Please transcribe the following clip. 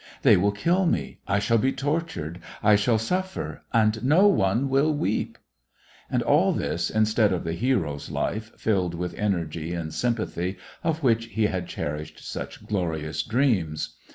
They will kill me, I shall be tortured, I shall suffer, and no one will weep." And all this, in stead of the hero's life, filled with energy and sympathy, of which he had cherished such glorious dreams.